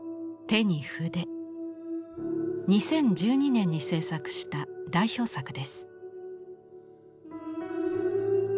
２０１２年に制作した代表作です。